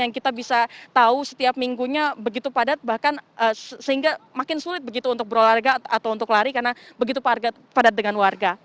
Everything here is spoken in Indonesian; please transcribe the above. yang kita bisa tahu setiap minggunya begitu padat bahkan sehingga makin sulit begitu untuk berolahraga atau untuk lari karena begitu padat dengan warga